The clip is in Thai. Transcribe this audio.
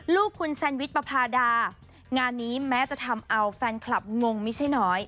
ลูกคุณแซนวิชประพาดางานนี้แม้จะทำเอาแฟนคลับงงไม่ใช่น้อย